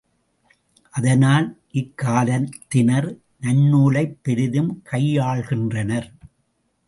அதனால், இக்காலத்தினர் நன்னூலைப் பெரிதும் கையாள்கின்றனர்.